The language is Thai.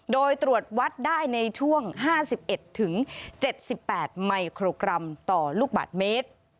โดยตรวจวัดได้ในช่วง๕๑๗๘มิโครกรัมต่อลูกบาทเมตร